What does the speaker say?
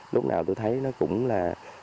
lúc nào tôi thấy nó cũng là